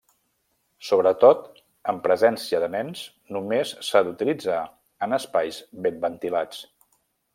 Sobretot en presència de nens, només s'ha d'utilitzar en espais ben ventilats.